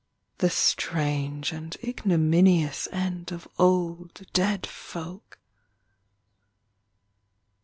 the strange And ignominious end of old Dead folk!